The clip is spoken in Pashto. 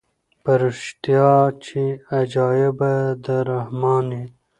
په ریشتیا چي عجایبه د رحمان یې